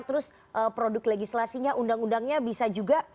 terus produk legislasinya undang undangnya bisa juga